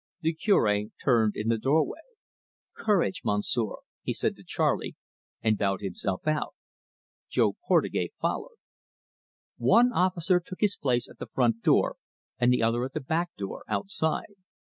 The Cure turned in the doorway. "Courage, Monsieur!" he said to Charley, and bowed himself out. Jo Portugais followed. One officer took his place at the front door and the other at the back door, outside.